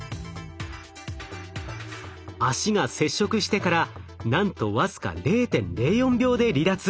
脚が接触してからなんと僅か０．０４秒で離脱。